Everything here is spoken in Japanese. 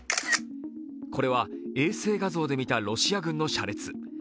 これは衛星画像で見たロシア軍の車列。